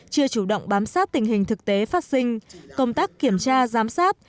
chưa chủ động bám sát tình hình thực tế phát sinh công tác kiểm tra giám sát